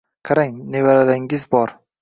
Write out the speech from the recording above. Qarang, nevaralaringiz bor.